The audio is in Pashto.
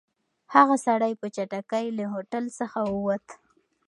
هغه سړی په چټکۍ له هوټل څخه ووت.